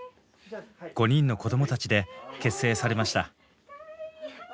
５人の子どもたちで結成されました。